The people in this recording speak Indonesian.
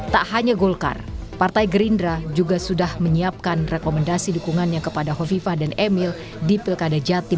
tak hanya golkar partai gerindra juga sudah menyiapkan rekomendasi dukungannya kepada hovifah dan emil di pilkada jatim